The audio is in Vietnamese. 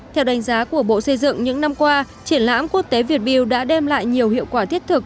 theo đánh giá của bộ xây dựng những năm qua triển lãm quốc tế việt build đã đem lại nhiều hiệu quả thiết thực